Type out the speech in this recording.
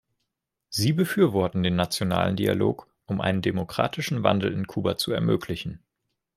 Sie befürworten den nationalen Dialog, um einen demokratischen Wandel in Kuba zu ermöglichen.